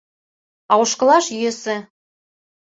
А ошкылаш йӧсӧ.